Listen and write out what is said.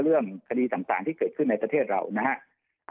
เรื่องคดีต่างที่เกิดขึ้นในประเทศเรานะฮะ